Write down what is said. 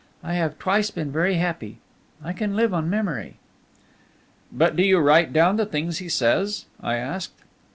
I have twice been very happy! I can live on memory." "But do you write down the things he says?" I asked.